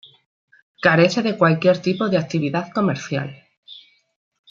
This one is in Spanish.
Carece de cualquier tipo de actividad comercial.